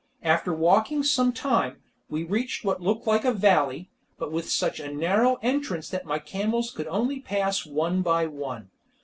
After walking some time, we reached what looked like a valley, but with such a narrow entrance that my camels could only pass one by one.